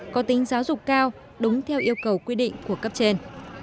có tính giáo dục cao đúng theo yêu cầu quy định của cấp trên